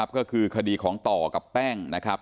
ก็คือคดีของต่อกับแป้งนะครับ